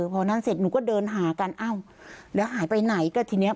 พอนั่นเสร็จหนูก็เดินหากันอ้าวแล้วหายไปไหนก็ทีเนี้ย